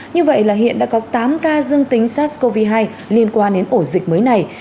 như vậy là hiện đã có tám ca dương tính sars cov hai liên quan đến ổ dịch mới này